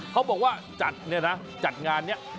เขาบอกว่าจัดเนี่ยนะจัดงานนี้